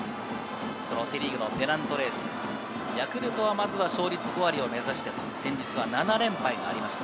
セ・リーグのペナントレース、ヤクルトはまずは勝率５割を目指して、先日は７連敗がありました。